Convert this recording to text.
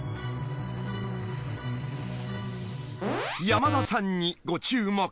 ［山田さんにご注目］